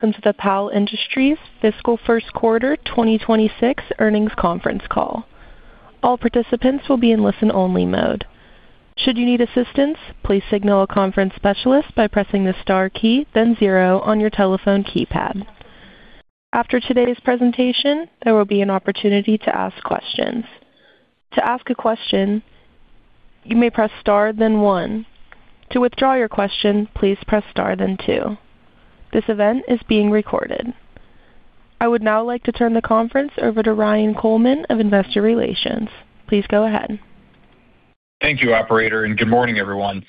Welcome to the Powell Industries Fiscal First Quarter 2026 Earnings Conference Call. All participants will be in listen-only mode. Should you need assistance, please signal a conference specialist by pressing the star key, then zero on your telephone keypad. After today's presentation, there will be an opportunity to ask questions. To ask a question, you may press star, then one. To withdraw your question, please press star, then two. This event is being recorded. I would now like to turn the conference over to Ryan Coleman of Investor Relations. Please go ahead. Thank you, operator, and good morning, everyone.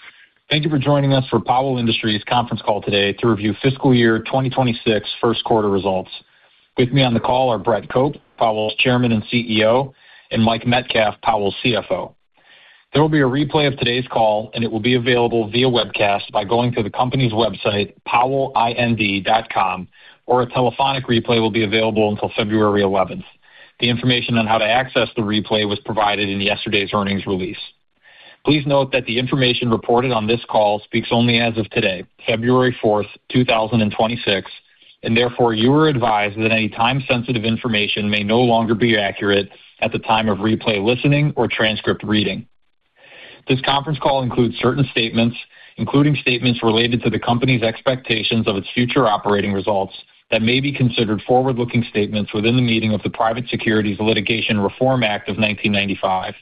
Thank you for joining us for Powell Industries conference call today to review fiscal year 2026 first quarter results. With me on the call are Brett Cope, Powell's Chairman and CEO, and Mike Metcalf, Powell's CFO. There will be a replay of today's call, and it will be available via webcast by going to the company's website, powellind.com, or a telephonic replay will be available until February 11th. The information on how to access the replay was provided in yesterday's earnings release. Please note that the information reported on this call speaks only as of today, February 4th, 2026, and therefore, you are advised that any time-sensitive information may no longer be accurate at the time of replay, listening, or transcript reading. This conference call includes certain statements, including statements related to the company's expectations of its future operating results, that may be considered forward-looking statements within the meaning of the Private Securities Litigation Reform Act of 1995.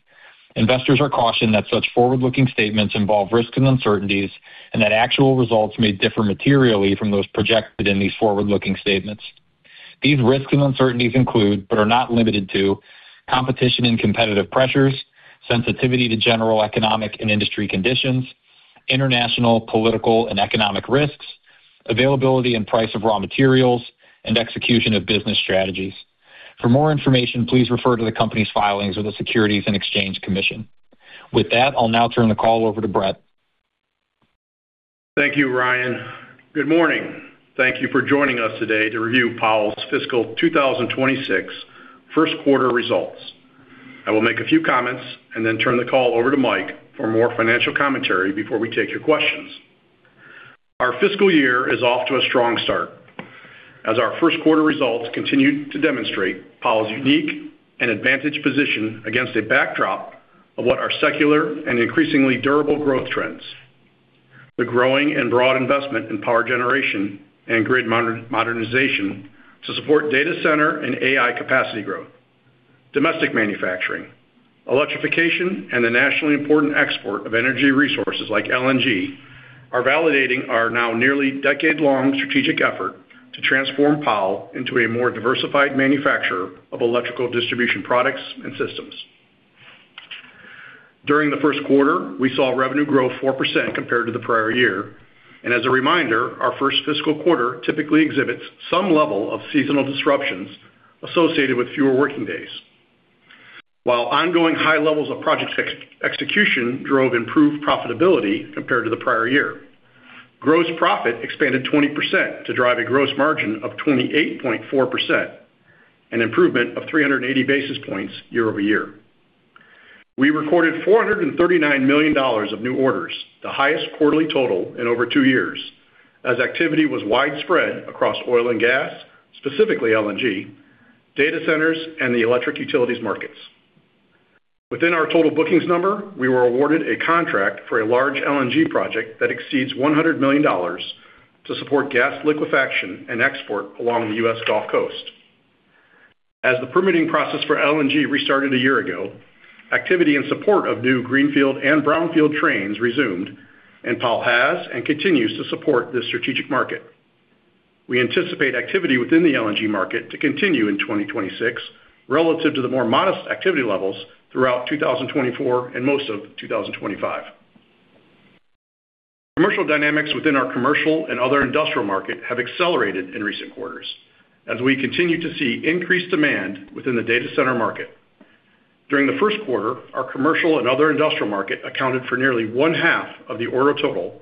Investors are cautioned that such forward-looking statements involve risks and uncertainties, and that actual results may differ materially from those projected in these forward-looking statements. These risks and uncertainties include, but are not limited to, competition and competitive pressures, sensitivity to general economic and industry conditions, international, political, and economic risks, availability and price of raw materials, and execution of business strategies. For more information, please refer to the company's filings with the Securities and Exchange Commission. With that, I'll now turn the call over to Brett. Thank you, Ryan. Good morning. Thank you for joining us today to review Powell's fiscal 2026 first quarter results. I will make a few comments and then turn the call over to Mike for more financial commentary before we take your questions. Our fiscal year is off to a strong start, as our first quarter results continue to demonstrate Powell's unique and advantaged position against a backdrop of what are secular and increasingly durable growth trends. The growing and broad investment in power generation and grid modernization to support data center and AI capacity growth, domestic manufacturing, electrification, and the nationally important export of energy resources like LNG are validating our now nearly decade-long strategic effort to transform Powell into a more diversified manufacturer of electrical distribution products and systems. During the first quarter, we saw revenue grow 4% compared to the prior year, and as a reminder, our first fiscal quarter typically exhibits some level of seasonal disruptions associated with fewer working days. While ongoing high levels of project execution drove improved profitability compared to the prior year. Gross profit expanded 20% to drive a gross margin of 28.4%, an improvement of 380 basis points year-over-year. We recorded $439 million of new orders, the highest quarterly total in over two years, as activity was widespread across oil and gas, specifically LNG, data centers, and the electric utilities markets. Within our total bookings number, we were awarded a contract for a large LNG project that exceeds $100 million to support gas liquefaction and export along the U.S. Gulf Coast. As the permitting process for LNG restarted a year ago, activity in support of new greenfield and brownfield trains resumed, and Powell has and continues to support this strategic market. We anticipate activity within the LNG market to continue in 2026 relative to the more modest activity levels throughout 2024 and most of 2025. Commercial dynamics within our commercial and other industrial market have accelerated in recent quarters as we continue to see increased demand within the data center market. During the first quarter, our commercial and other industrial market accounted for nearly 1/2 of the order total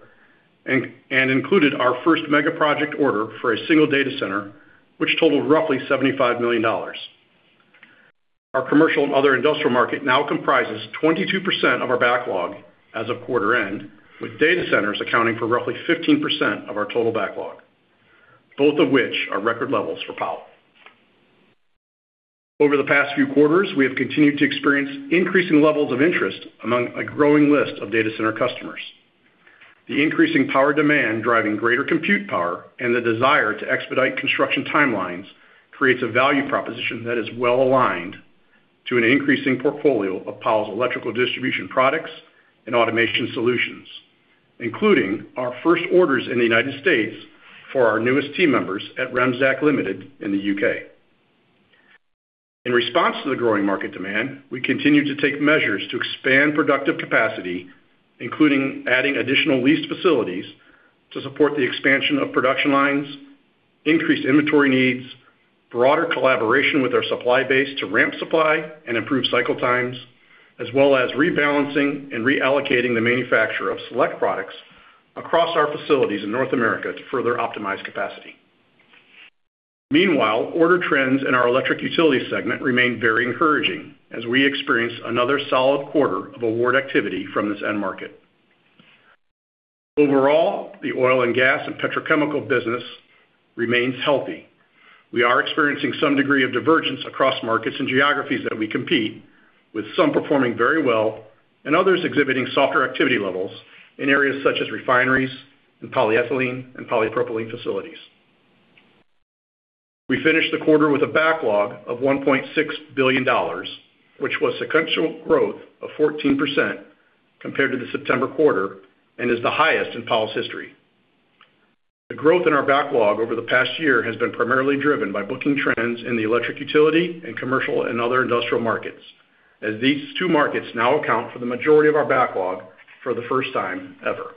and included our first mega project order for a single data center, which totaled roughly $75 million. Our commercial and other industrial market now comprises 22% of our backlog as of quarter end, with data centers accounting for roughly 15% of our total backlog, both of which are record levels for Powell. Over the past few quarters, we have continued to experience increasing levels of interest among a growing list of data center customers. The increasing power demand, driving greater compute power, and the desire to expedite construction timelines creates a value proposition that is well aligned to an increasing portfolio of Powell's electrical distribution products and automation solutions, including our first orders in the United States for our newest team members at Remsdaq Limited in the UK. In response to the growing market demand, we continue to take measures to expand productive capacity, including adding additional leased facilities to support the expansion of production lines, increased inventory needs, broader collaboration with our supply base to ramp supply and improve cycle times, as well as rebalancing and reallocating the manufacture of select products across our facilities in North America to further optimize capacity. Meanwhile, order trends in our electric utility segment remain very encouraging as we experience another solid quarter of award activity from this end market. Overall, the oil and gas and petrochemical business remains healthy. We are experiencing some degree of divergence across markets and geographies that we compete, with some performing very well and others exhibiting softer activity levels in areas such as refineries and polyethylene and polypropylene facilities. We finished the quarter with a backlog of $1.6 billion, which was sequential growth of 14% compared to the September quarter and is the highest in Powell's history. The growth in our backlog over the past year has been primarily driven by booking trends in the electric utility and commercial and other industrial markets, as these two markets now account for the majority of our backlog for the first time ever.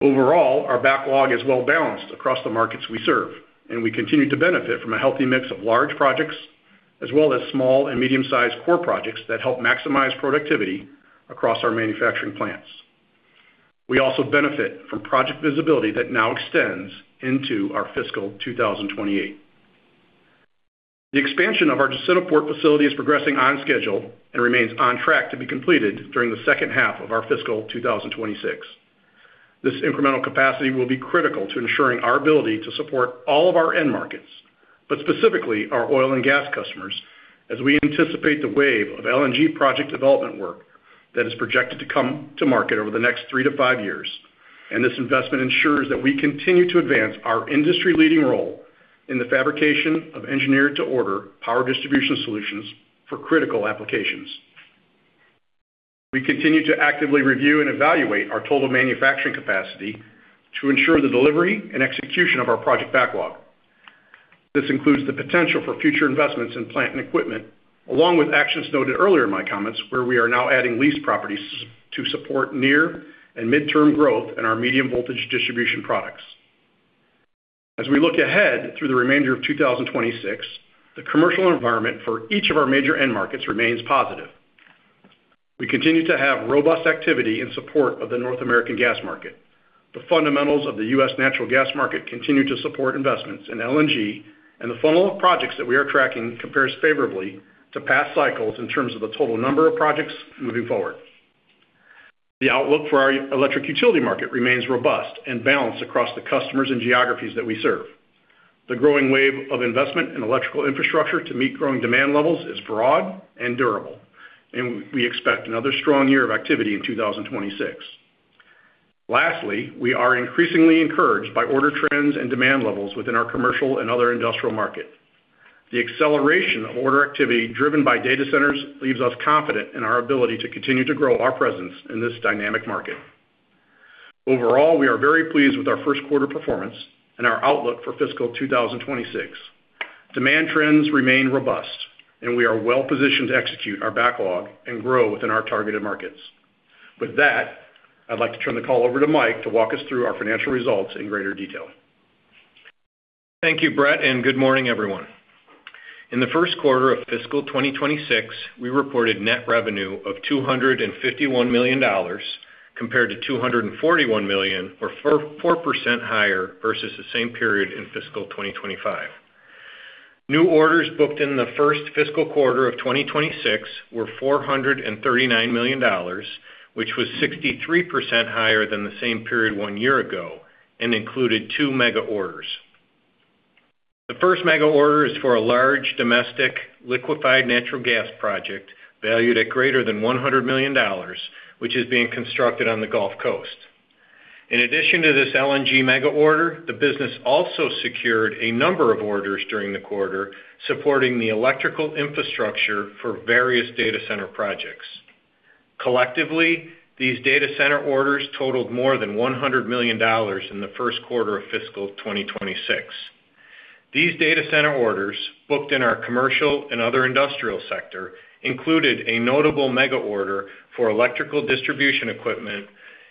Overall, our backlog is well balanced across the markets we serve, and we continue to benefit from a healthy mix of large projects, as well as small and medium-sized core projects that help maximize productivity across our manufacturing plants. We also benefit from project visibility that now extends into our fiscal 2028. The expansion of our Jacintoport facility is progressing on schedule and remains on track to be completed during the second half of our fiscal 2026. This incremental capacity will be critical to ensuring our ability to support all of our end markets, but specifically our oil and gas customers, as we anticipate the wave of LNG project development work that is projected to come to market over the next three to five years. And this investment ensures that we continue to advance our industry-leading role in the fabrication of engineered-to-order power distribution solutions for critical applications. We continue to actively review and evaluate our total manufacturing capacity to ensure the delivery and execution of our project backlog. This includes the potential for future investments in plant and equipment, along with actions noted earlier in my comments, where we are now adding lease properties to support near and midterm growth in our medium voltage distribution products. As we look ahead through the remainder of 2026, the commercial environment for each of our major end markets remains positive. We continue to have robust activity in support of the North American gas market. The fundamentals of the U.S. natural gas market continue to support investments in LNG, and the funnel of projects that we are tracking compares favorably to past cycles in terms of the total number of projects moving forward. The outlook for our electric utility market remains robust and balanced across the customers and geographies that we serve. The growing wave of investment in electrical infrastructure to meet growing demand levels is broad and durable, and we expect another strong year of activity in 2026. Lastly, we are increasingly encouraged by order trends and demand levels within our commercial and other industrial market. The acceleration of order activity driven by data centers leaves us confident in our ability to continue to grow our presence in this dynamic market. Overall, we are very pleased with our first quarter performance and our outlook for fiscal 2026. Demand trends remain robust, and we are well positioned to execute our backlog and grow within our targeted markets. With that, I'd like to turn the call over to Mike to walk us through our financial results in greater detail. Thank you, Brett, and good morning, everyone. In the first quarter of fiscal 2026, we reported net revenue of $251 million, compared to $241 million, or 4.4% higher versus the same period in fiscal 2025. New orders booked in the first fiscal quarter of 2026 were $439 million, which was 63% higher than the same period one year ago and included two mega orders. The first mega order is for a large domestic liquefied natural gas project, valued at greater than $100 million, which is being constructed on the Gulf Coast. In addition to this LNG mega order, the business also secured a number of orders during the quarter, supporting the electrical infrastructure for various data center projects. Collectively, these data center orders totaled more than $100 million in the first quarter of fiscal 2026. These data center orders, booked in our commercial and other industrial sector, included a notable mega order for electrical distribution equipment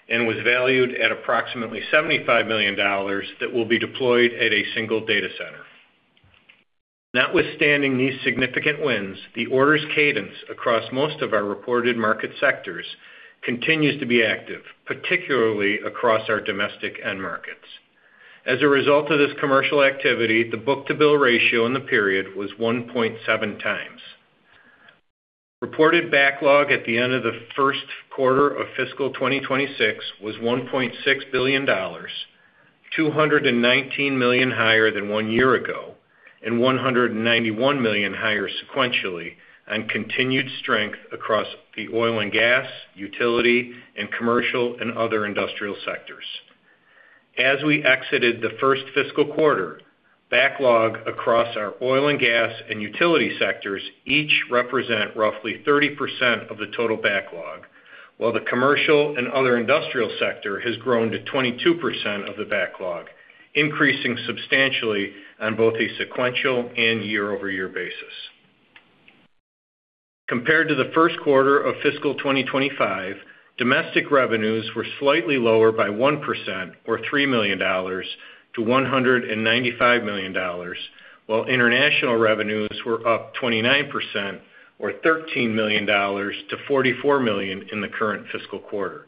and was valued at approximately $75 million that will be deployed at a single data center. Notwithstanding these significant wins, the orders cadence across most of our reported market sectors continues to be active, particularly across our domestic end markets. As a result of this commercial activity, the book-to-bill ratio in the period was 1.7x. Reported backlog at the end of the first quarter of fiscal 2026 was $1.6 billion, $219 million higher than one year ago, and $191 million higher sequentially on continued strength across the oil and gas, utility, and commercial, and other industrial sectors. As we exited the first fiscal quarter, backlog across our oil and gas and utility sectors each represent roughly 30% of the total backlog, while the commercial and other industrial sector has grown to 22% of the backlog, increasing substantially on both a sequential and year-over-year basis. Compared to the first quarter of fiscal 2025, domestic revenues were slightly lower by 1% or $3 million to $195 million, while international revenues were up 29% or $13 million to $44 million in the current fiscal quarter.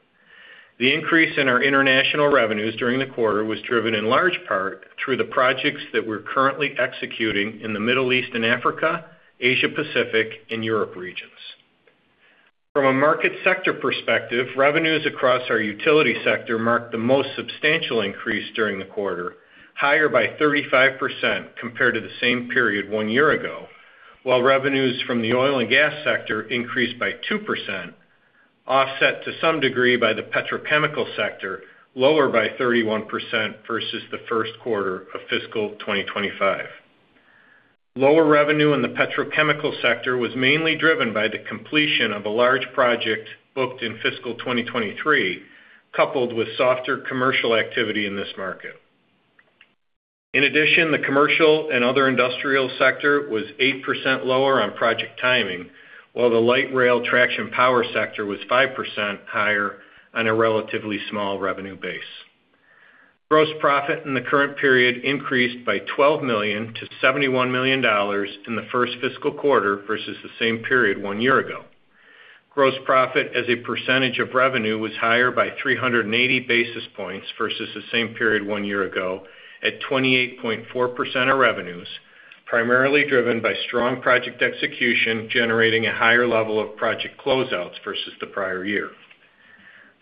The increase in our international revenues during the quarter was driven in large part through the projects that we're currently executing in the Middle East and Africa, Asia Pacific, and Europe regions. From a market sector perspective, revenues across our utility sector marked the most substantial increase during the quarter, higher by 35% compared to the same period one year ago, while revenues from the oil and gas sector increased by 2%, offset to some degree by the petrochemical sector, lower by 31% versus the first quarter of fiscal 2025. Lower revenue in the petrochemical sector was mainly driven by the completion of a large project booked in fiscal 2023, coupled with softer commercial activity in this market. In addition, the commercial and other industrial sector was 8% lower on project timing, while the light rail traction power sector was 5% higher on a relatively small revenue base. Gross profit in the current period increased by $12 million to $71 million in the first fiscal quarter versus the same period one year ago. Gross profit as a percentage of revenue was higher by 380 basis points versus the same period one year ago at 28.4% of revenues, primarily driven by strong project execution, generating a higher level of project closeouts versus the prior year.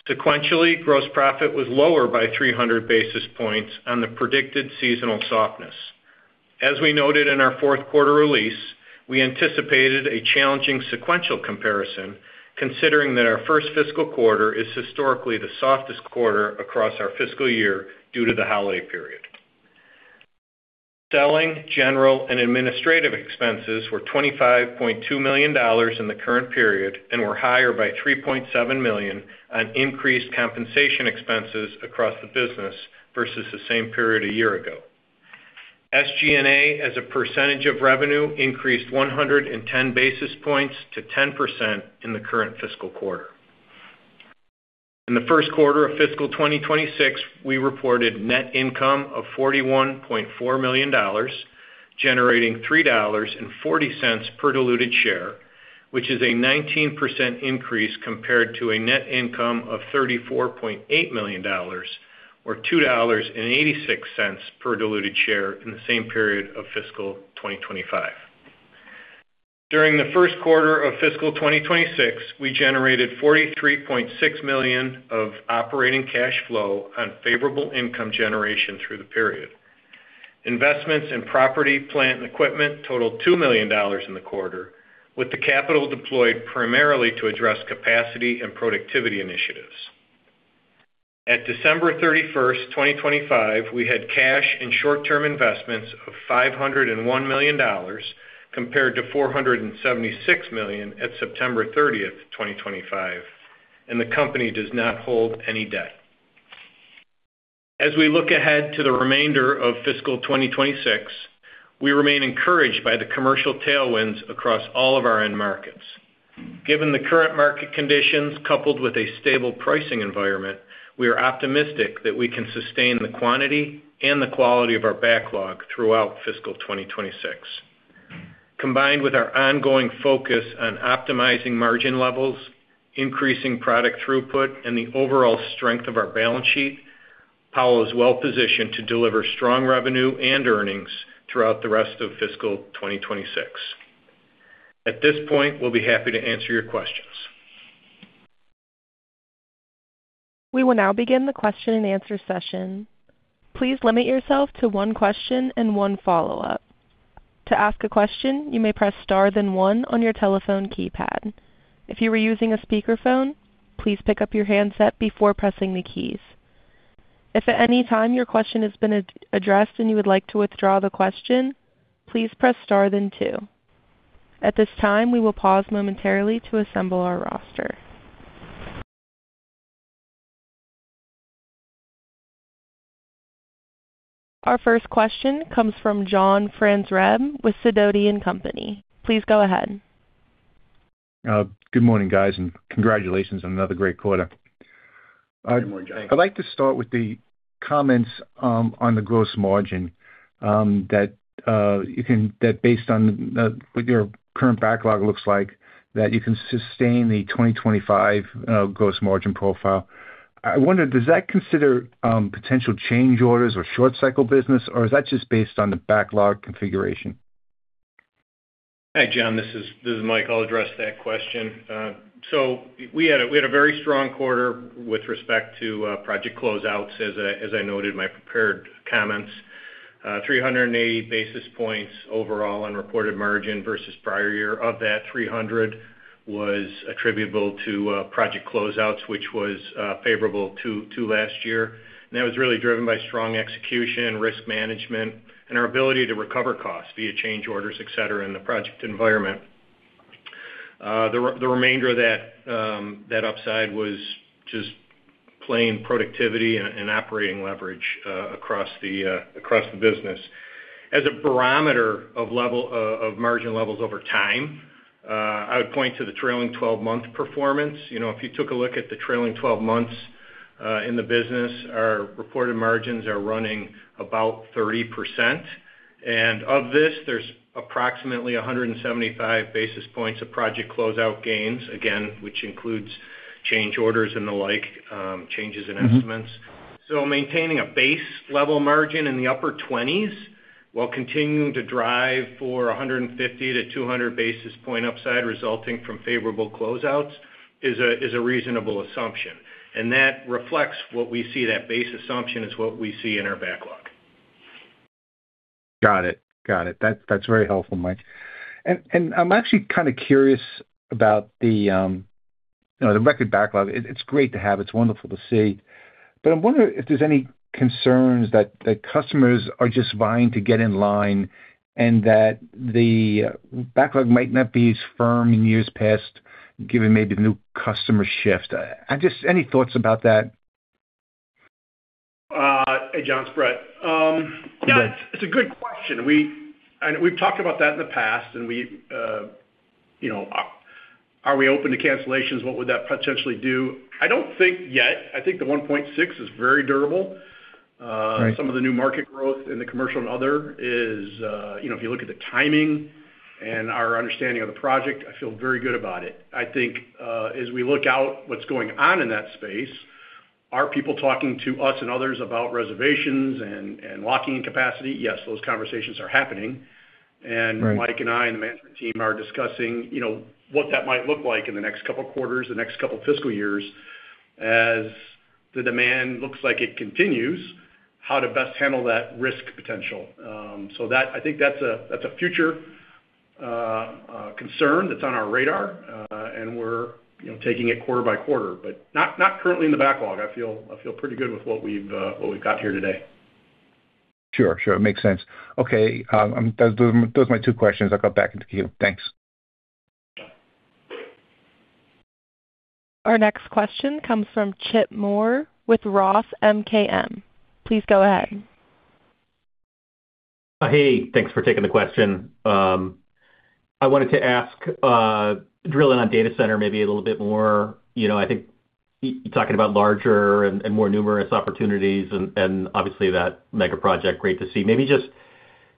Sequentially, gross profit was lower by 300 basis points on the predicted seasonal softness. As we noted in our fourth quarter release, we anticipated a challenging sequential comparison, considering that our first fiscal quarter is historically the softest quarter across our fiscal year due to the holiday period. Selling, general and administrative expenses were $25.2 million in the current period and were higher by $3.7 million on increased compensation expenses across the business versus the same period a year ago. SG&A, as a percentage of revenue, increased 110 basis points to 10% in the current fiscal quarter. In the first quarter of fiscal 2026, we reported net income of $41.4 million, generating $3.40 per diluted share, which is a 19% increase compared to a net income of $34.8 million, or $2.86 per diluted share in the same period of fiscal 2025. During the first quarter of fiscal 2026, we generated $43.6 million of operating cash flow on favorable income generation through the period. Investments in property, plant, and equipment totaled $2 million in the quarter, with the capital deployed primarily to address capacity and productivity initiatives. At December 31, 2025, we had cash and short-term investments of $501 million, compared to $476 million at September 30, 2025, and the company does not hold any debt. As we look ahead to the remainder of fiscal 2026, we remain encouraged by the commercial tailwinds across all of our end markets. Given the current market conditions, coupled with a stable pricing environment, we are optimistic that we can sustain the quantity and the quality of our backlog throughout fiscal 2026. Combined with our ongoing focus on optimizing margin levels, increasing product throughput, and the overall strength of our balance sheet, Powell is well positioned to deliver strong revenue and earnings throughout the rest of fiscal 2026. At this point, we'll be happy to answer your questions. We will now begin the question-and-answer session. Please limit yourself to one question and one follow-up. To ask a question, you may press star, then one on your telephone keypad. If you are using a speakerphone, please pick up your handset before pressing the keys. If at any time your question has been addressed and you would like to withdraw the question, please press star then two. At this time, we will pause momentarily to assemble our roster. Our first question comes from John Franzreb with Sidoti & Company. Please go ahead. Good morning, guys, and congratulations on another great quarter. Good morning, John. I'd like to start with the comments on the gross margin that based on what your current backlog looks like, that you can sustain the 2025 gross margin profile. I wonder, does that consider potential change orders or short cycle business, or is that just based on the backlog configuration? Hi, John. This is Mike. I'll address that question. So we had a very strong quarter with respect to project closeouts, as I noted in my prepared comments. 380 basis points overall on reported margin versus prior year. Of that, 300 was attributable to project closeouts, which was favorable to last year. And that was really driven by strong execution, risk management, and our ability to recover costs via change orders, et cetera, in the project environment. The remainder of that upside was just plain productivity and operating leverage across the business. As a barometer of level of margin levels over time, I would point to the trailing 12-month performance. You know, if you took a look at the trailing 12 months in the business, our reported margins are running about 30%. And of this, there's approximately 175 basis points of project closeout gains, again, which includes change orders and the like, changes in estimates. So maintaining a base level margin in the upper 20s, while continuing to drive for 150-200 basis point upside resulting from favorable closeouts, is a reasonable assumption. And that reflects what we see, that base assumption is what we see in our backlog. Got it. Got it. That's very helpful, Mike. And I'm actually kind of curious about the, you know, the record backlog. It's great to have, it's wonderful to see. But I'm wondering if there's any concerns that the customers are just vying to get in line and that the backlog might not be as firm in years past, given maybe the new customer shift. Just any thoughts about that? Hey, John, it's Brett. Yeah, it's a good question. And we've talked about that in the past, and we, you know, are we open to cancellations? What would that potentially do? I don't think yet. I think the $1.6 is very durable. Right. Some of the new market growth in the commercial and other is, you know, if you look at the timing and our understanding of the project, I feel very good about it. I think, as we look out what's going on in that space, are people talking to us and others about reservations and, and locking in capacity? Yes, those conversations are happening. Right. And Mike and I, and the management team are discussing, you know, what that might look like in the next couple of quarters, the next couple of fiscal years, as the demand looks like it continues, how to best handle that risk potential. I think that's a, that's a future concern that's on our radar, and we're, you know, taking it quarter by quarter, but not, not currently in the backlog. I feel, I feel pretty good with what we've, what we've got here today. Sure, sure. It makes sense. Okay, those are my two questions. I'll go back into queue. Thanks. Our next question comes from Chip Moore with Roth MKM. Please go ahead. Hey, thanks for taking the question. I wanted to ask, drill in on data center maybe a little bit more. You know, I think you're talking about larger and more numerous opportunities, and obviously, that mega project, great to see. Maybe just,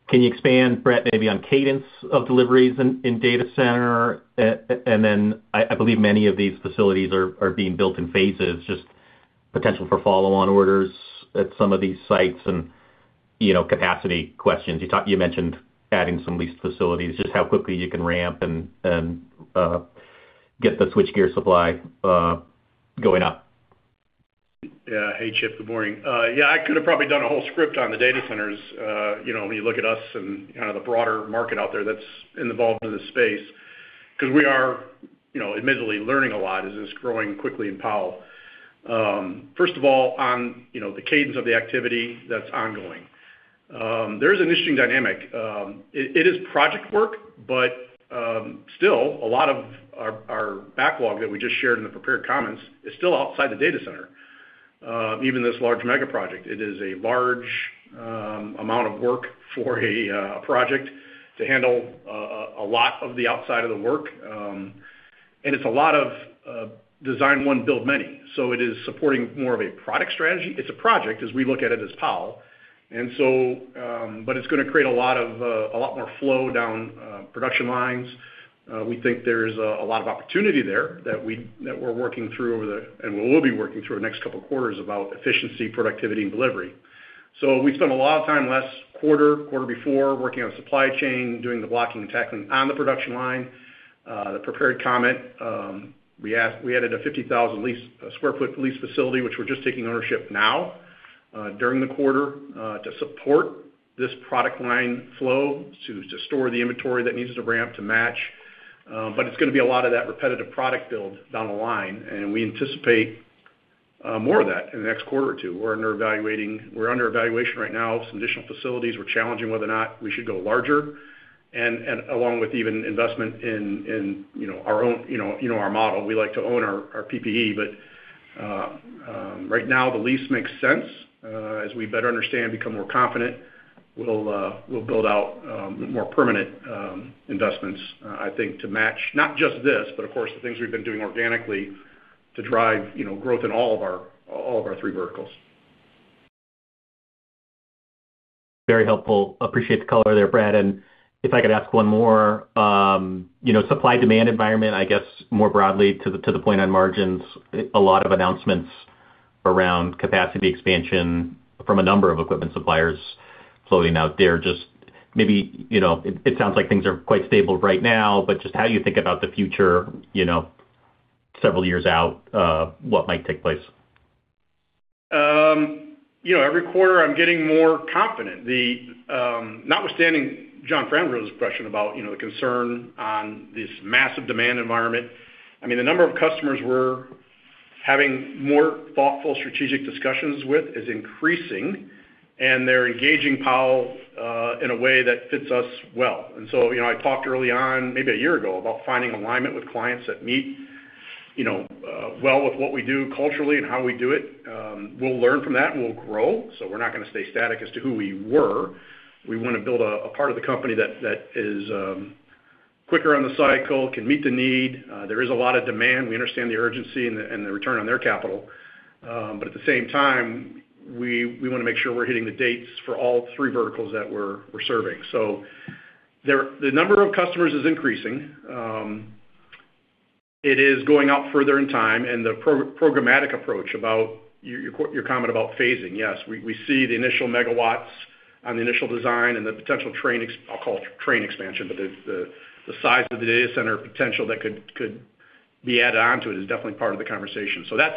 can you expand, Brett, maybe on cadence of deliveries in data center? And then I believe many of these facilities are being built in phases, just potential for follow-on orders at some of these sites and, you know, capacity questions. You mentioned adding some leased facilities, just how quickly you can ramp and get the switchgear supply going up. Yeah. Hey, Chip, good morning. Yeah, I could have probably done a whole script on the data centers. You know, when you look at us and kind of the broader market out there that's involved in this space, because we are, you know, admittedly learning a lot as it's growing quickly in Powell. First of all, on, you know, the cadence of the activity that's ongoing. There's an interesting dynamic. It is project work, but still, a lot of our backlog that we just shared in the prepared comments is still outside the data center. Even this large mega project, it is a large amount of work for a project to handle, a lot of the outside of the work. And it's a lot of design one, build many. So it is supporting more of a product strategy. It's a project, as we look at it as Powell. And so, but it's gonna create a lot of, a lot more flow down production lines. We think there's a lot of opportunity there that we're working through over the, and we'll be working through the next couple of quarters about efficiency, productivity, and delivery. So we spent a lot of time last quarter, quarter before, working on supply chain, doing the blocking and tackling on the production line, the prepared comment. We added a 50,000 sq ft leased facility, which we're just taking ownership now, during the quarter, to support this product line flow, to store the inventory that needs to ramp to match. But it's gonna be a lot of that repetitive product build down the line, and we anticipate more of that in the next quarter or two. We're under evaluation right now, some additional facilities. We're challenging whether or not we should go larger, and along with even investment in, in, you know, our own, you know, you know, our model. We like to own our PP&E, but right now, the lease makes sense. As we better understand, become more confident, we'll build out more permanent investments, I think, to match not just this, but of course, the things we've been doing organically to drive, you know, growth in all of our three verticals. Very helpful. Appreciate the color there, Brett. And if I could ask one more, you know, supply-demand environment, I guess, more broadly to the point on margins, a lot of announcements around capacity expansion from a number of equipment suppliers floating out there. Just maybe, you know, it sounds like things are quite stable right now, but just how you think about the future, you know, several years out, what might take place? You know, every quarter I'm getting more confident. The, notwithstanding John Franzreb's question about, you know, the concern on this massive demand environment, I mean, the number of customers we're having more thoughtful strategic discussions with is increasing, and they're engaging Powell, in a way that fits us well. And so, you know, I talked early on, maybe a year ago, about finding alignment with clients that meet, you know, well with what we do culturally and how we do it. We'll learn from that, and we'll grow, so we're not gonna stay static as to who we were. We want to build a part of the company that is quicker on the cycle, can meet the need. There is a lot of demand. We understand the urgency and the, and the return on their capital. But at the same time, we wanna make sure we're hitting the dates for all three verticals that we're serving. So, the number of customers is increasing. It is going out further in time, and the programmatic approach about your quote, your comment about phasing, yes, we see the initial megawatts on the initial design and the potential train expansion. I'll call it train expansion, but the size of the data center potential that could be added onto it is definitely part of the conversation. So that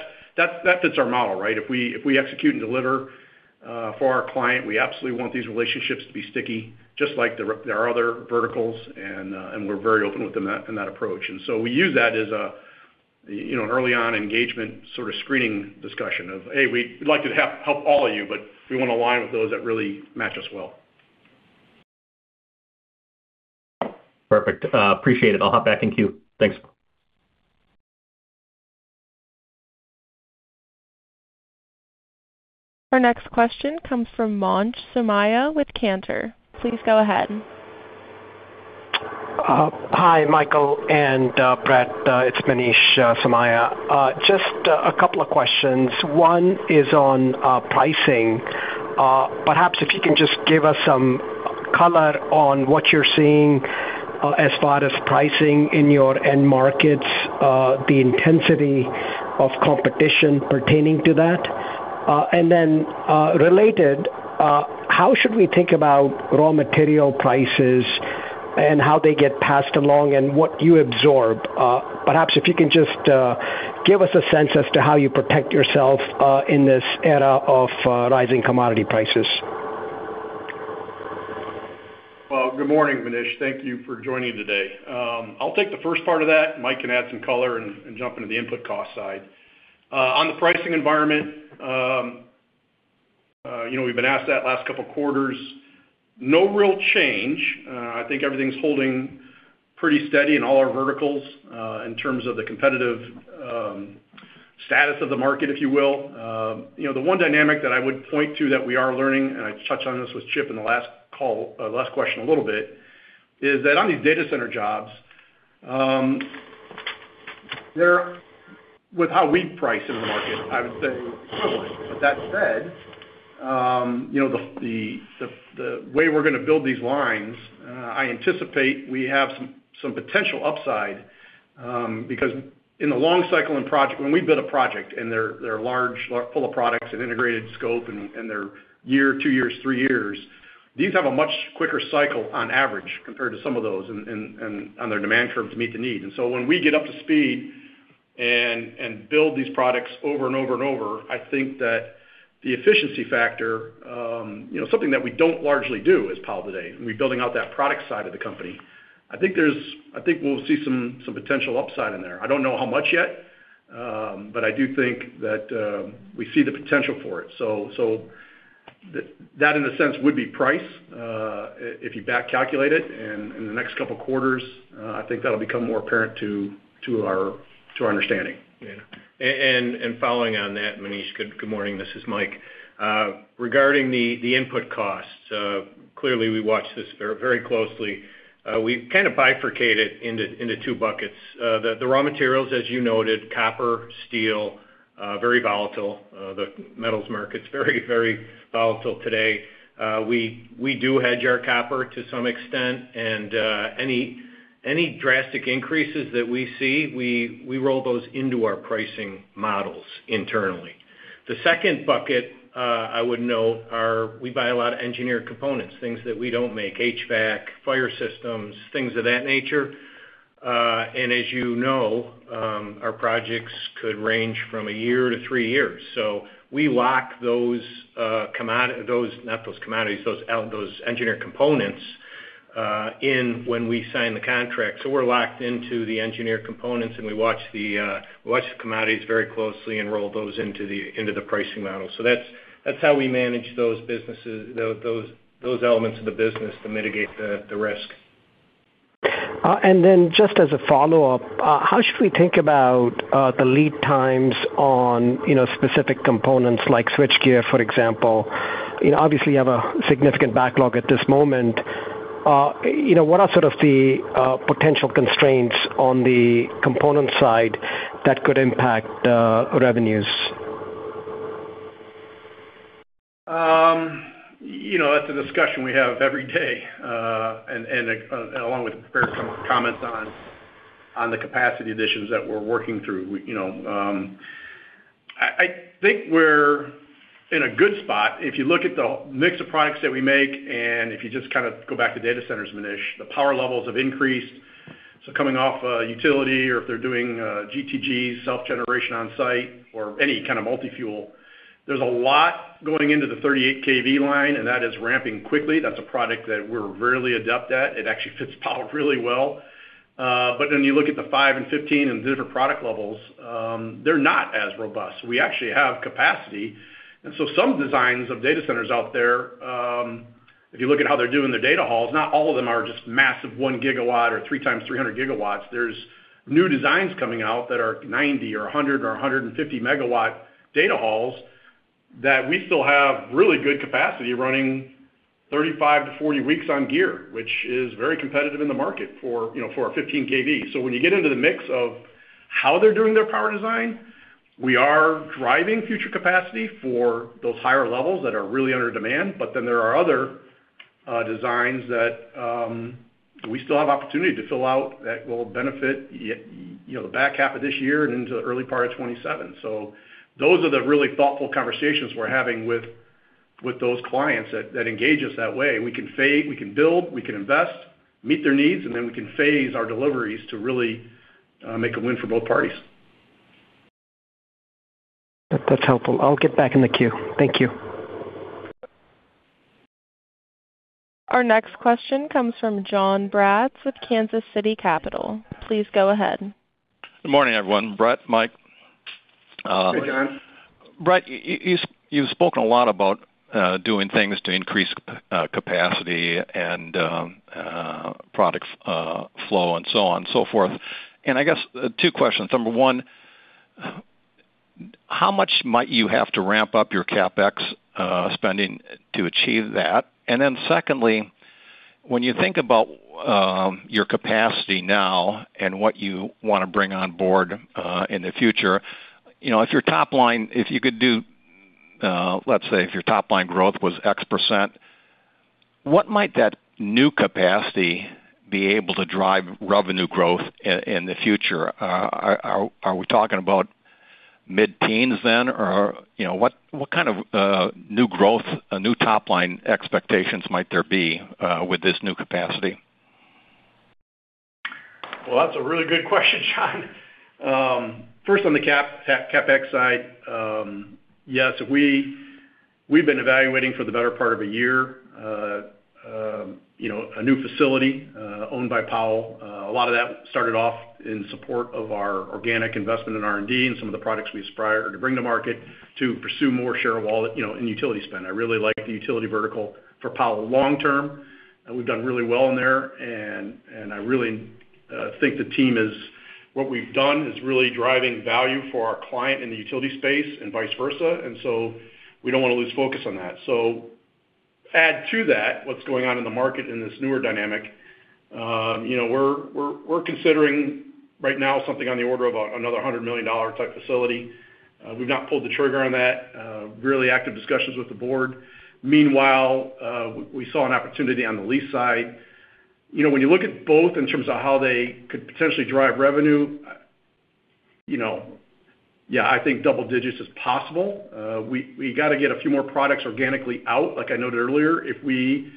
fits our model, right? If we execute and deliver for our client, we absolutely want these relationships to be sticky, just like our other verticals, and we're very open with them in that approach. So we use that as a, you know, an early on engagement, sort of screening discussion of, "Hey, we'd like to help, help all of you, but we wanna align with those that really match us well. Perfect. Appreciate it. I'll hop back in queue. Thanks. Our next question comes from Manish Somaiya with Cantor. Please go ahead. Hi, Michael and Brett. It's Manish Somaiya. Just a couple of questions. One is on pricing. Perhaps if you can just give us some color on what you're seeing as far as pricing in your end markets, the intensity of competition pertaining to that. And then, related, how should we think about raw material prices and how they get passed along and what you absorb? Perhaps if you can just give us a sense as to how you protect yourself in this era of rising commodity prices. Well, good morning, Manish. Thank you for joining today. I'll take the first part of that, Mike can add some color and jump into the input cost side. On the pricing environment, you know, we've been asked that last couple of quarters. No real change. I think everything's holding pretty steady in all our verticals, in terms of the competitive status of the market, if you will. You know, the one dynamic that I would point to that we are learning, and I touched on this with Chip in the last call, last question a little bit, is that on these data center jobs, they're... With how we price in the market, I would say equivalent. But that said, you know, the way we're gonna build these lines, I anticipate we have some potential upside, because in the long-cycle and project, when we build a project, and they're large, full of products and integrated scope, and they're year, two years, three years, these have a much quicker cycle on average compared to some of those on their demand curves to meet the need. And so when we get up to speed and build these products over and over and over, I think that the efficiency factor, you know, something that we don't largely do as Powell today, we're building out that product side of the company. I think we'll see some potential upside in there. I don't know how much yet, but I do think that we see the potential for it. So, that, in a sense, would be price, if you back calculate it, and in the next couple of quarters, I think that'll become more apparent to our understanding. Yeah. And following on that, Manish, good morning, this is Mike. Regarding the input costs, clearly, we watch this very closely. We kind of bifurcate it into two buckets. The raw materials, as you noted, copper, steel, very volatile. The metals market's very volatile today. We do hedge our copper to some extent, and any drastic increases that we see, we roll those into our pricing models internally. The second bucket, I would note, we buy a lot of engineered components, things that we don't make, HVAC, fire systems, things of that nature. And as you know, our projects could range from a year to three years. So we lock those, not those commodities, those engineered components in when we sign the contract. So we're locked into the engineered components, and we watch the commodities very closely and roll those into the pricing model. So that's how we manage those businesses, those elements of the business to mitigate the risk. And then just as a follow-up, how should we think about the lead times on, you know, specific components like switchgear, for example? You know, obviously, you have a significant backlog at this moment. You know, what are sort of the potential constraints on the component side that could impact revenues? You know, that's a discussion we have every day, and along with some comments on the capacity additions that we're working through. We, you know, I think we're in a good spot. If you look at the mix of products that we make, and if you just kind of go back to data centers, Manish, the power levels have increased. So coming off utility or if they're doing GTG, self-generation on site or any kind of multi-fuel, there's a lot going into the 38 kV line, and that is ramping quickly. That's a product that we're really adept at. It actually fits Powell really well. But then you look at the 5 and 15 and different product levels, they're not as robust. We actually have capacity. Some designs of data centers out there, if you look at how they're doing their data halls, not all of them are just massive 1 GW or 3x 300 GW. There's new designs coming out that are 90 MW or 100 MW or 150 MW data halls, that we still have really good capacity running 35-40 weeks on gear, which is very competitive in the market for, you know, for a 15 kV. So when you get into the mix of how they're doing their power design. We are driving future capacity for those higher levels that are really under demand, but then there are other designs that we still have opportunity to fill out that will benefit you know, the back half of this year and into the early part of 2027. So those are the really thoughtful conversations we're having with those clients that engage us that way. We can phase, we can build, we can invest, meet their needs, and then we can phase our deliveries to really, make a win for both parties. That's helpful. I'll get back in the queue. Thank you. Our next question comes from John Braatz, with Kansas City Capital Associates. Please go ahead. Good morning, everyone. Brett, Mike, Hey, John. Brett, you've spoken a lot about doing things to increase capacity and product flow, and so on and so forth. I guess two questions. Number one, how much might you have to ramp up your CapEx spending to achieve that? And then secondly, when you think about your capacity now and what you wanna bring on board in the future, you know, if your top line—if you could do, let's say, if your top-line growth was X%, what might that new capacity be able to drive revenue growth in the future? Are we talking about mid-teens then, or you know, what kind of new growth, new top-line expectations might there be with this new capacity? Well, that's a really good question, John. First, on the CapEx side, yes, we've been evaluating for the better part of a year, you know, a new facility owned by Powell. A lot of that started off in support of our organic investment in R&D and some of the products we aspire to bring to market to pursue more share of wallet, you know, and utility spend. I really like the utility vertical for Powell long term, and we've done really well in there. And I really think the team is... What we've done is really driving value for our client in the utility space and vice versa, and so we don't wanna lose focus on that. So add to that, what's going on in the market in this newer dynamic, you know, we're considering right now something on the order of about another $100 million type facility. We've not pulled the trigger on that, really active discussions with the board. Meanwhile, we saw an opportunity on the lease side. You know, when you look at both in terms of how they could potentially drive revenue, you know, yeah, I think double digits is possible. We gotta get a few more products organically out, like I noted earlier. If we,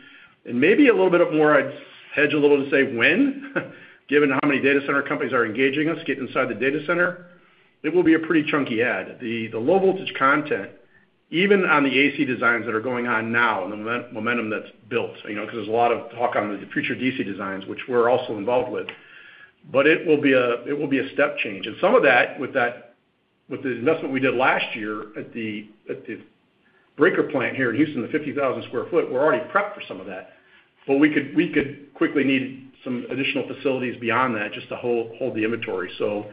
and maybe a little bit of more, I'd hedge a little to say when, given how many data center companies are engaging us, getting inside the data center, it will be a pretty chunky add. The low-voltage content, even on the AC designs that are going on now, and the momentum that's built, you know, 'cause there's a lot of talk on the future DC designs, which we're also involved with, but it will be a step change. And some of that, with that, with the investment we did last year at the breaker plant here in Houston, the 50,000 sq ft, we're already prepped for some of that. But we could quickly need some additional facilities beyond that, just to hold the inventory. So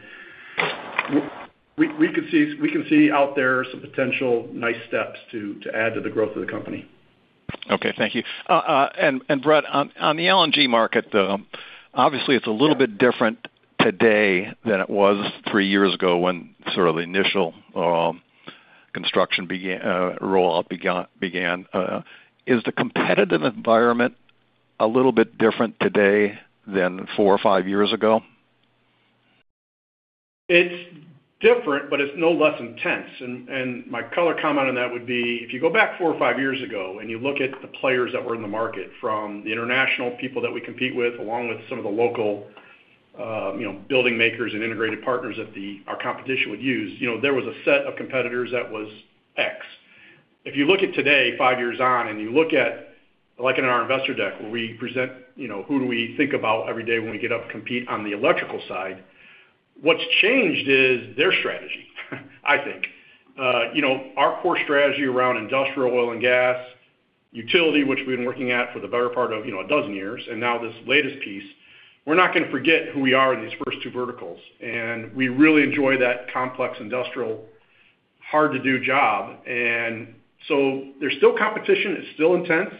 we can see out there some potential nice steps to add to the growth of the company. Okay. Thank you. And Brett, on the LNG market, obviously, it's a little bit different today than it was three years ago when sort of the initial construction began, rollout began. Is the competitive environment a little bit different today than four or five years ago? It's different, but it's no less intense. And my color comment on that would be, if you go back four or five years ago, and you look at the players that were in the market, from the international people that we compete with, along with some of the local, you know, building makers and integrated partners that the, our competition would use, you know, there was a set of competitors that was X. If you look at today, five years on, and you look at, like in our investor deck, where we present, you know, who do we think about every day when we get up to compete on the electrical side, what's changed is their strategy, I think. You know, our core strategy around industrial oil and gas, utility, which we've been working at for the better part of, you know, a dozen years, and now this latest piece, we're not gonna forget who we are in these first two verticals, and we really enjoy that complex industrial, hard-to-do job. And so there's still competition, it's still intense,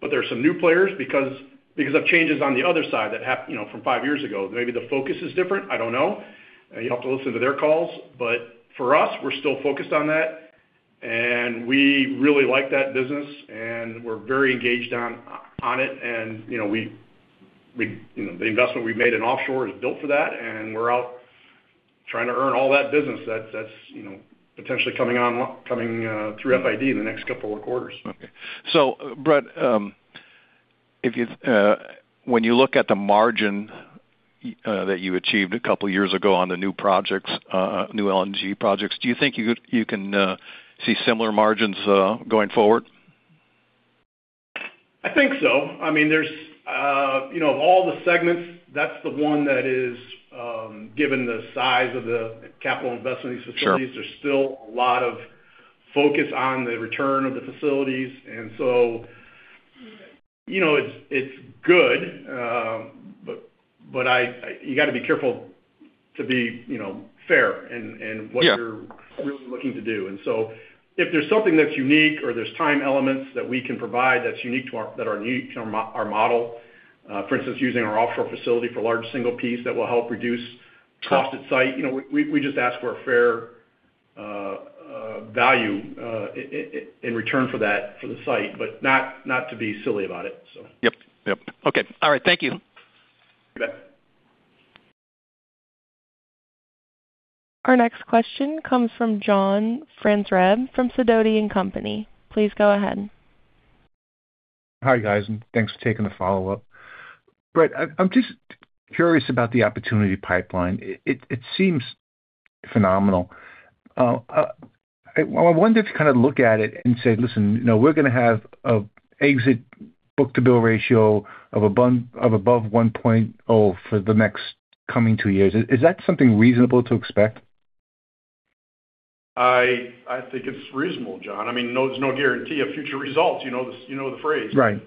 but there are some new players because, because of changes on the other side that happened, you know, from five years ago. Maybe the focus is different, I don't know. You'll have to listen to their calls. But for us, we're still focused on that, and we really like that business, and we're very engaged on it, and, you know, we, we... You know, the investment we've made in offshore is built for that, and we're out trying to earn all that business that's, you know, potentially coming through FID in the next couple of quarters. Okay. So, Brett, when you look at the margin that you achieved a couple of years ago on the new projects, new LNG projects, do you think you can see similar margins going forward? I think so. I mean, there's, you know, of all the segments, that's the one that is, given the size of the capital investment in these facilities- Sure. there's still a lot of focus on the return of the facilities. And so, you know, it's good, but you gotta be careful to be, you know, fair in, in- Yeah... what you're really looking to do. And so if there's something that's unique or there's time elements that we can provide that's unique to our—that are unique to our model, for instance, using our offshore facility for large single piece that will help reduce cost at site, you know, we just ask for a fair value in return for that, for the site, but not to be silly about it, so. Yep, yep. Okay. All right. Thank you. You bet. Our next question comes from John Franzreb from Sidoti & Company. Please go ahead. Hi, guys, and thanks for taking the follow-up. Brett, I'm just curious about the opportunity pipeline. It seems phenomenal. Well, I wondered if you kind of look at it and say, "Listen, you know, we're gonna have an exit book-to-bill ratio of above 1.0 for the next coming two years." Is that something reasonable to expect? I think it's reasonable, John. I mean, there's no guarantee of future results. You know the phrase. Right.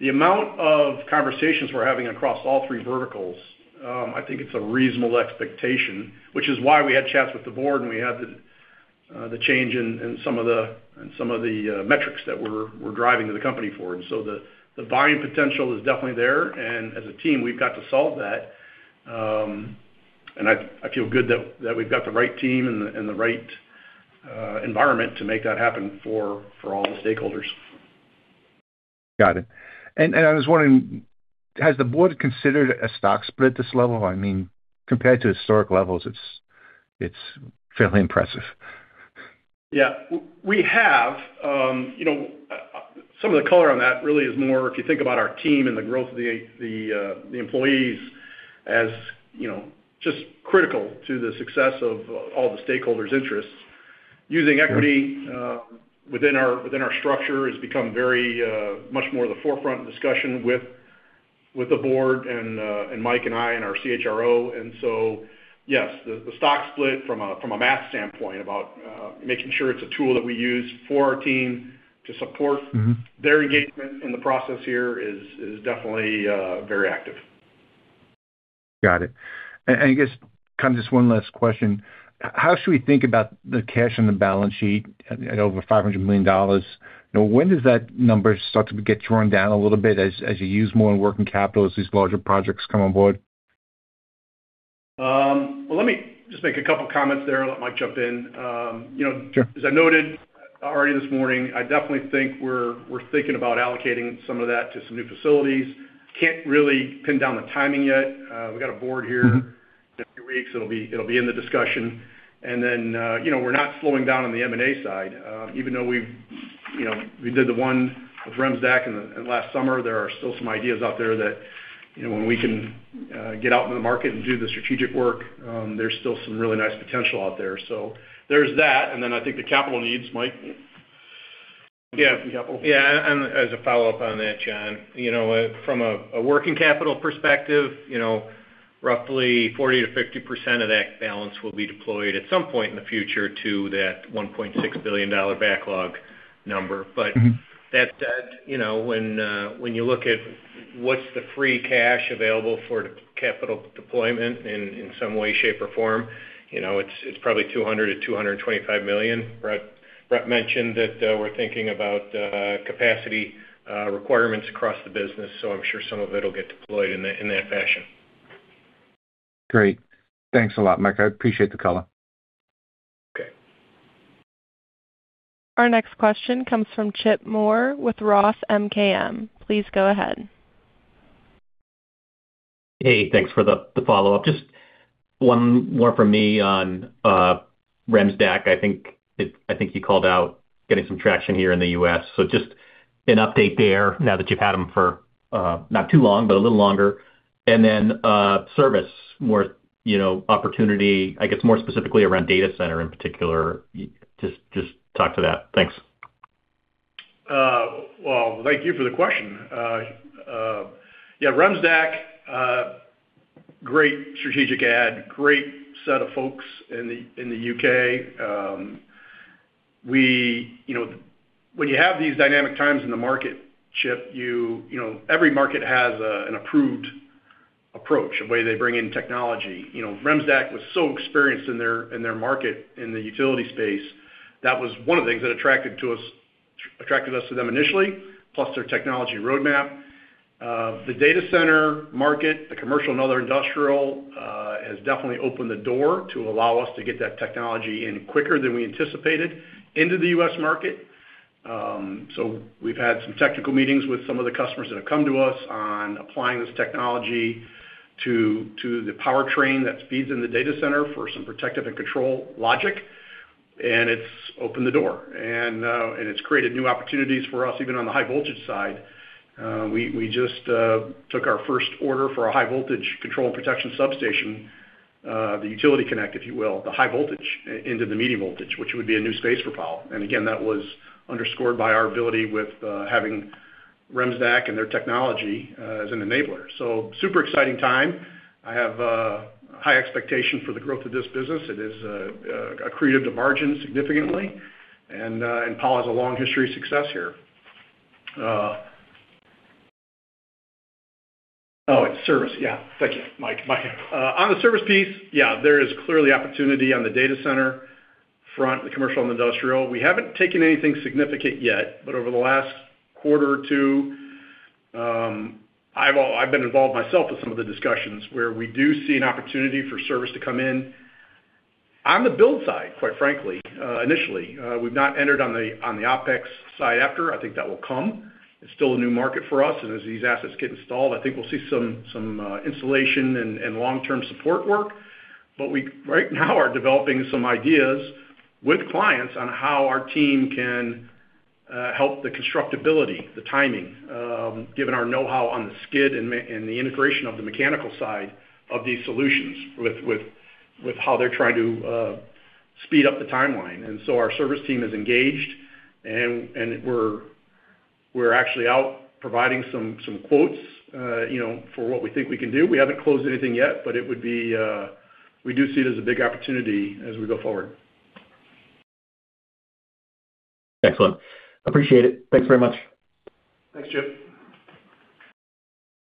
The amount of conversations we're having across all three verticals, I think it's a reasonable expectation, which is why we had chats with the board, and we had the change in some of the metrics that we're driving to the company for. So the volume potential is definitely there, and as a team, we've got to solve that. I feel good that we've got the right team and the right environment to make that happen for all the stakeholders. Got it. And, and I was wondering: has the board considered a stock split at this level? I mean, compared to historic levels, it's, it's fairly impressive. Yeah. We have. You know, some of the color on that really is more, if you think about our team and the growth of the employees, as you know, just critical to the success of all the stakeholders' interests. Mm-hmm. Using equity within our structure has become very much more the forefront in discussion with the board and Mike and I and our CHRO. And so, yes, the stock split from a math standpoint about making sure it's a tool that we use for our team to support- Mm-hmm... their engagement in the process here is definitely very active. Got it. And I guess, kind of just one last question. How should we think about the cash on the balance sheet at over $500 million? Now, when does that number start to get drawn down a little bit as you use more in working capital as these larger projects come on board? Well, let me just make a couple comments there and let Mike jump in. You know- Sure. As I noted already this morning, I definitely think we're thinking about allocating some of that to some new facilities. Can't really pin down the timing yet. We've got a board here- Mm-hmm... in a few weeks, it'll be, it'll be in the discussion. And then, you know, we're not slowing down on the M&A side. Even though we've, you know, we did the one with Remsdaq in the last summer, there are still some ideas out there that, you know, when we can, get out in the market and do the strategic work, there's still some really nice potential out there. So there's that, and then I think the capital needs. Mike? Yeah. Capital. Yeah, and as a follow-up on that, John, you know, from a working capital perspective, you know, roughly 40%-50% of that balance will be deployed at some point in the future to that $1.6 billion backlog number. Mm-hmm. But that, you know, when you look at what's the free cash available for capital deployment in some way, shape, or form, you know, it's probably $200 million-$225 million. Brett mentioned that we're thinking about capacity requirements across the business, so I'm sure some of it'll get deployed in that fashion. Great. Thanks a lot, Mike. I appreciate the color. Okay. Our next question comes from Chip Moore with Roth MKM. Please go ahead. Hey, thanks for the follow-up. Just one more from me on Remsdaq. I think you called out getting some traction here in the US. So just an update there, now that you've had them for not too long, but a little longer. And then service, more you know, opportunity, I guess, more specifically around data center in particular. Just talk to that. Thanks. Well, thank you for the question. Yeah, Remsdaq, great strategic add, great set of folks in the U.K. We, you know, when you have these dynamic times in the market, Chip, you know, every market has a, an approved approach, a way they bring in technology. You know, Remsdaq was so experienced in their market, in the utility space. That was one of the things that attracted to us - attracted us to them initially, plus their technology roadmap. The data center market, the commercial and other industrial, has definitely opened the door to allow us to get that technology in quicker than we anticipated into the U.S. market. So we've had some technical meetings with some of the customers that have come to us on applying this technology to the powertrain that feeds in the data center for some protective and control logic, and it's opened the door. And it's created new opportunities for us, even on the high voltage side. We just took our first order for a high voltage control and protection substation, the utility connect, if you will, the high voltage into the medium voltage, which would be a new space for Powell. And again, that was underscored by our ability with having Remsdaq and their technology as an enabler. So super exciting time. I have high expectation for the growth of this business. It is accreted the margin significantly, and Powell has a long history of success here. Oh, It's service. Yeah. Thank you, Mike. Mike. On the service piece, yeah, there is clearly opportunity on the data center front, the commercial and industrial. We haven't taken anything significant yet, but over the last quarter or two, I've been involved myself with some of the discussions where we do see an opportunity for service to come in on the build side, quite frankly, initially. We've not entered on the, on the OpEx side after. I think that will come. It's still a new market for us, and as these assets get installed, I think we'll see some installation and long-term support work. But we, right now, are developing some ideas with clients on how our team can help the constructability, the timing, given our know-how on the skid and the integration of the mechanical side of these solutions with how they're trying to speed up the timeline. And so our service team is engaged, and we're actually out providing some quotes, you know, for what we think we can do. We haven't closed anything yet, but it would be... We do see it as a big opportunity as we go forward. Excellent. Appreciate it. Thanks very much. Thanks, Chip.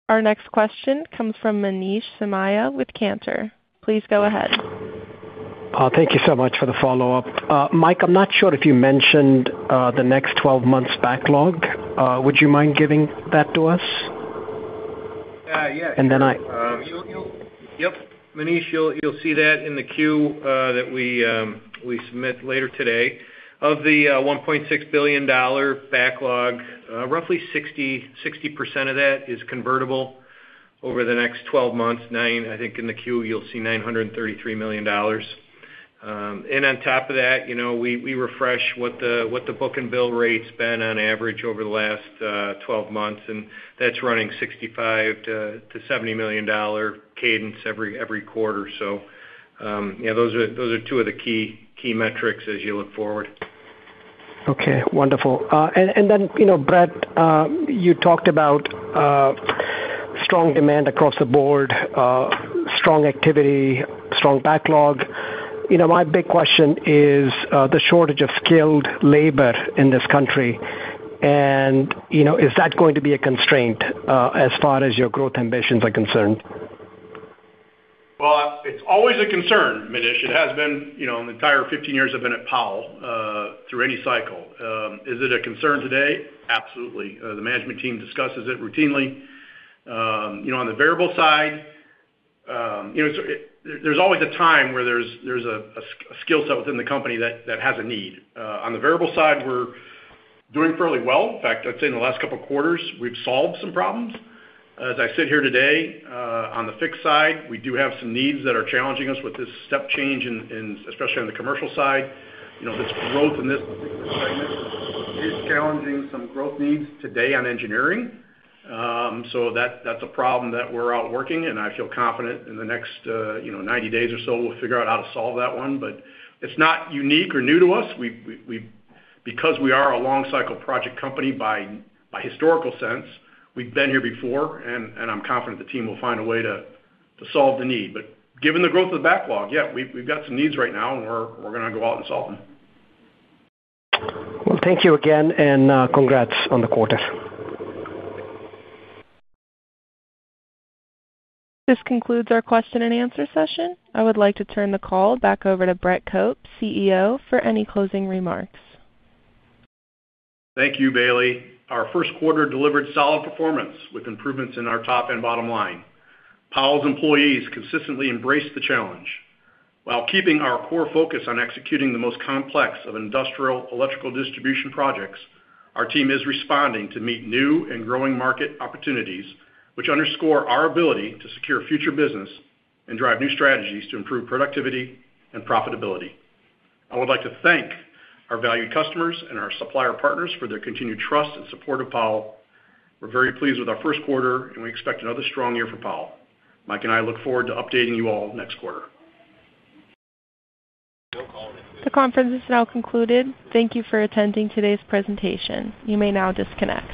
Our next question comes from Manish Somaiya with Cantor. Please go ahead. Thank you so much for the follow-up. Mike, I'm not sure if you mentioned the next 12 months backlog. Would you mind giving that to us? Uh, yeah. And then I- Yep, Manish, you'll see that in the Q that we submit later today. Of the $1.6 billion backlog, roughly 60% of that is convertible over the next 12 months. I think in the Q, you'll see $933 million. And on top of that, you know, we refresh what the book and bill rate's been on average over the last 12 months, and that's running $65 million-$70 million cadence every quarter. So, yeah, those are two of the key metrics as you look forward. Okay, wonderful. And then, you know, Brett, you talked about strong demand across the board, strong activity, strong backlog. You know, my big question is the shortage of skilled labor in this country, and, you know, is that going to be a constraint as far as your growth ambitions are concerned? Well, it's always a concern, Manish. It has been, you know, the entire 15 years I've been at Powell, through any cycle. Is it a concern today? Absolutely. The management team discusses it routinely. You know, on the variable side, you know, There's always a time where there's a skill set within the company that has a need. On the variable side, we're doing fairly well. In fact, I'd say in the last couple of quarters, we've solved some problems. As I sit here today, on the fixed side, we do have some needs that are challenging us with this step change in, especially on the commercial side. You know, this growth in this segment is challenging some growth needs today on engineering. So that's a problem that we're out working, and I feel confident in the next, you know, 90 days or so, we'll figure out how to solve that one. But it's not unique or new to us. Because we are a long-cycle project company by historical sense, we've been here before, and I'm confident the team will find a way to solve the need. But given the growth of backlog, yeah, we've got some needs right now, and we're gonna go out and solve them. Well, thank you again, and congrats on the quarter. This concludes our question and answer session. I would like to turn the call back over to Brett Cope, CEO, for any closing remarks. Thank you, Bailey. Our first quarter delivered solid performance with improvements in our top and bottom line. Powell's employees consistently embrace the challenge. While keeping our core focus on executing the most complex of industrial electrical distribution projects, our team is responding to meet new and growing market opportunities, which underscore our ability to secure future business and drive new strategies to improve productivity and profitability. I would like to thank our valued customers and our supplier partners for their continued trust and support of Powell. We're very pleased with our first quarter, and we expect another strong year for Powell. Mike and I look forward to updating you all next quarter. The conference is now concluded. Thank you for attending today's presentation. You may now disconnect.